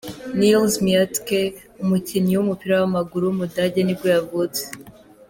Nils Miatke, umukinnyi w’umupira w’amaguru w’umudage nibwo yavutse.